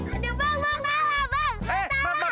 aduh bang bang kalah bang